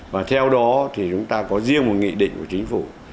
và theo đó thì chúng ta có riêng một nghị định của chính phủ